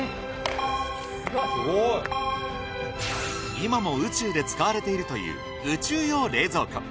今も宇宙で使われているという宇宙用冷蔵庫